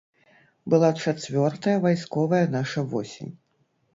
Была чацвёртая вайсковая наша восень.